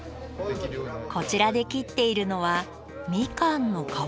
こちらで切っているのはみかんの皮？